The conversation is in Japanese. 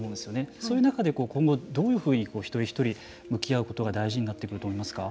そういう中で今後どういうふうに一人一人向き合うことが大事になってくると思いますか。